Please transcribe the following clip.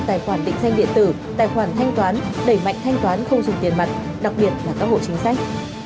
tài khoản định danh điện tử tài khoản thanh toán đẩy mạnh thanh toán không dùng tiền mặt đặc biệt là các hộ chính sách